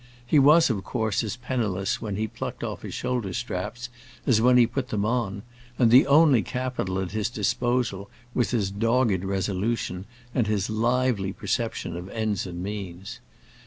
He was of course as penniless when he plucked off his shoulder straps as when he put them on, and the only capital at his disposal was his dogged resolution and his lively perception of ends and means.